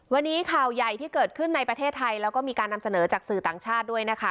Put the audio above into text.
วันนี้ข่าวใหญ่ที่เกิดขึ้นในประเทศไทยแล้วก็มีการนำเสนอจากสื่อต่างชาติด้วยนะคะ